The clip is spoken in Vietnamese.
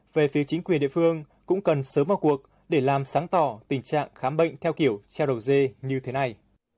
về phía chính quyền địa phương cũng cần sớm vào cuộc để làm sáng tỏ tình trạng khám bệnh theo kiểu treo đầu dê như thế này